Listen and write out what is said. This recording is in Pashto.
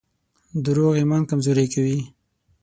دروغ ایمان کمزوری کوي.